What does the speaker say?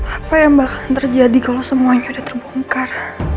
apa yang bakalan terjadi kalau semuanya udah terbongkar